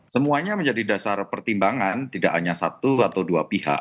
semuanya menjadi dasar pertimbangan tidak hanya satu atau dua pihak